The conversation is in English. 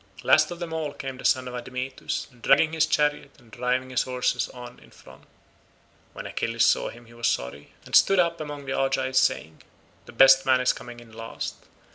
Last of them all came the son of Admetus, dragging his chariot and driving his horses on in front. When Achilles saw him he was sorry, and stood up among the Argives saying, "The best man is coming in last.